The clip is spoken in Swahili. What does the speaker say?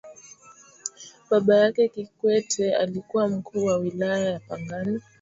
baba yake kikwete alikuwa mkuu wa wilaya ya pangani